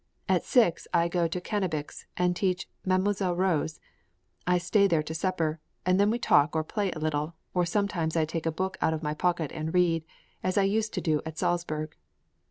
At six I go to Cannabich's and teach Mdlle. Rose; I stay there to supper, and then we talk or play a little, or some times I take a book out of my pocket and read, as I used to do at Salzburg.